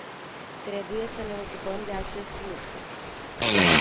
Trebuie să ne ocupăm de acest lucru.